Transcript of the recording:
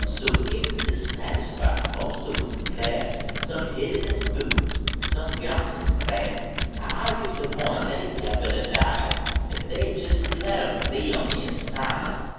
So gittin dissatisfied, most of em fled, Some hid in his boots and some got in his bed. I argiecl the pint at he never d a died If they d a jest let em be on the inside.